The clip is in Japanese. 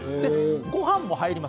ごはんも入ります。